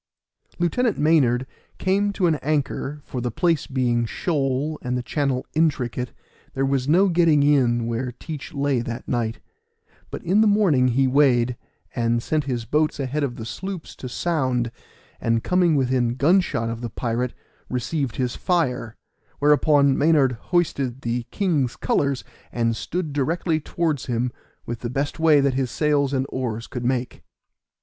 Lieutenant Maynard came to an anchor, for the place being shoal, and the channel intricate, there was no getting in where Teach lay that night; but in the morning he weighed, and sent his boat ahead of the sloops to sound, and coming within gun shot of the pirate, received his fire; whereupon Maynard hoisted the king's colors, and stood directly towards him with the best way that his sails and oars could make.